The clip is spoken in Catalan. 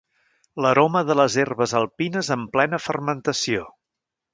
L'aroma de les herbes alpines en plena fermentació.